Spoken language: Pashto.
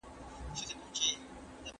پښتني احساسات د ده په کلام کې څپې وهي.